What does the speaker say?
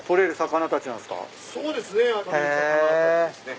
そうですね。